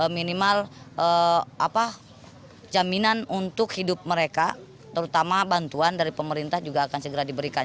minimal jaminan untuk hidup mereka terutama bantuan dari pemerintah juga akan segera diberikan